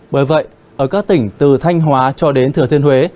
bởi vậy ở các tỉnh từ thanh hóa cho đến thừa thiên huế